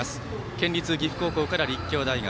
県立岐阜高校から立教大学